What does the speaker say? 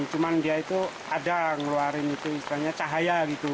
cuma dia itu ada mengeluarkan cahaya